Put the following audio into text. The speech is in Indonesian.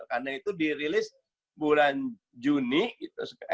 karena itu dirilis bulan juni